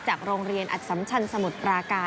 โรงเรียนอัดสำชันสมุทรปราการ